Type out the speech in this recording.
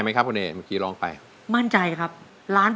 หรือว่าร้องผิดครับ